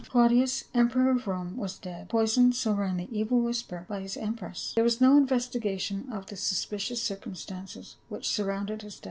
CLAUDIUS, emperor of Rome was dead ; poi soned — so ran the evil whisper, by his em press. There was no investigation of the suspicious circumstances which surrounded his death.